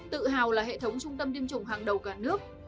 tự hào là hệ thống trung tâm tiêm chủng hàng đầu cả nước